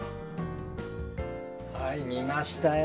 はい見ましたよ。